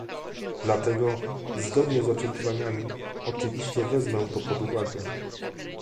Dlatego, zgodnie z oczekiwaniami, oczywiście wezmę to pod uwagę